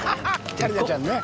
桂里奈ちゃんね。